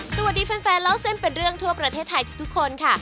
สวัสดีแฟนเล่าเส้นเป็นเรื่องทั่วประเทศไทยทุกคนค่ะ